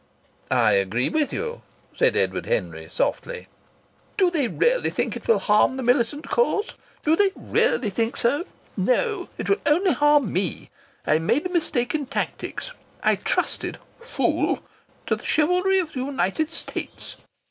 "I agree with you," said Edward Henry, softly. "Do they really think it will harm the militant cause? Do they really think so? No, it will only harm me. I made a mistake in tactics. I trusted fool! to the chivalry of the United States.